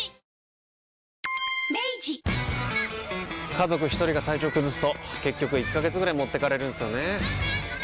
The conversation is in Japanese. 家族一人が体調崩すと結局１ヶ月ぐらい持ってかれるんすよねー。